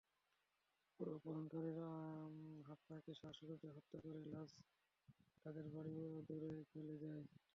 পরে অপহরণকারীরা হাফসাকে শ্বাসরোধে হত্যা করে লাশ তাঁদের বাড়ির অদূরে ফেলে যায়।